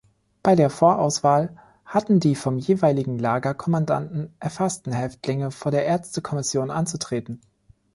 Bei der Vorauswahl hatten die vom jeweiligen Lagerkommandanten erfassten Häftlinge vor der Ärztekommission anzutreten.